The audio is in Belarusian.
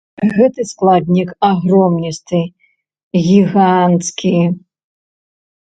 Гэты складнік агромністы, гіганцкі.